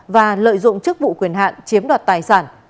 và lợi dụng chức vụ quyền hạn chiếm đoạt tài sản